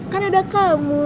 kan ada kamu